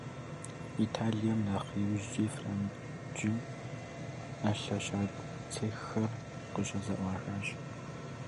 Италием, нэхъ иужькӏи Франджым, ӏэлъэ щад цеххэр къыщызэӏуахащ.